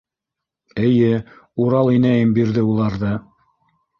— Эйе, Урал инәйем бирҙе уларҙы.